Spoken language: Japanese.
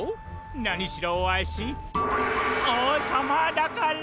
なにしろわしおうさまだから！